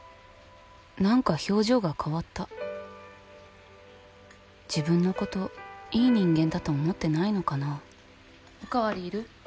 何か表情が変わっ自分のこといい人間だと思ってないのお代わりいる？